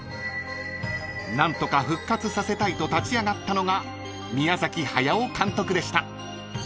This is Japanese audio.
［何とか復活させたいと立ち上がったのが宮崎駿監督でした］